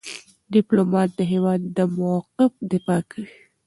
ډيپلومات د هېواد د موقف دفاع کوي.